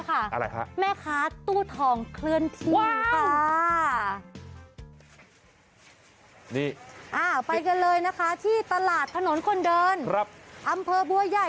คิ้วกล่องด้วยนะคะแล้วก็แบบ